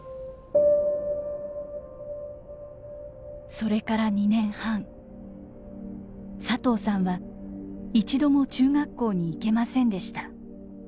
それから２年半佐藤さんは一度も中学校に行けませんでした。